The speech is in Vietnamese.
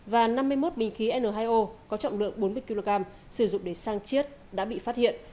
và năm mươi một bình khí n hai o có trọng lượng bốn mươi kg sử dụng để sang chiết đã bị phát hiện